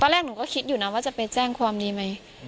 แรกหนูก็คิดอยู่นะว่าจะไปแจ้งความดีไหม